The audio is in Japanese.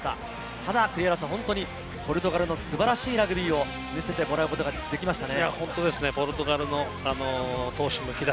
ただ、ポルトガルの素晴らしいラグビーを見せてもらうことができましたね。